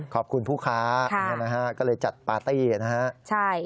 ขอบคุณผู้ค้าก็เลยจัดปาร์ตี้นะฮะ